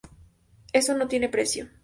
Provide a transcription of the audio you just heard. Eso no tiene precio.